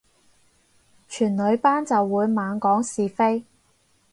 全女班就會猛講是非